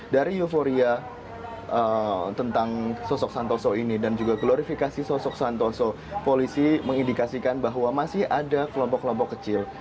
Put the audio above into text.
dari euforia tentang sosok santoso ini dan juga glorifikasi sosok santoso polisi mengindikasikan bahwa masih ada kelompok kelompok kecil